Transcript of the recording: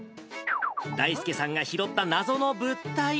だいすけさんが拾った謎の物体。